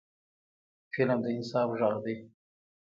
فلم د انصاف غږ دی